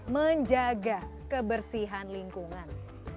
menjaga kebersihan lingkungan